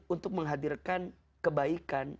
untuk menghadirkan kebaikan